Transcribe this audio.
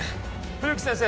冬木先生